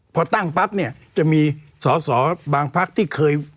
พอตั้งปั๊บเนี่ยจะมีสอสอบางพักที่เคย